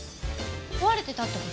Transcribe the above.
壊れてたって事？